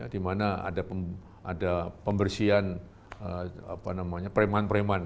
di mana ada pembersihan apa namanya preman preman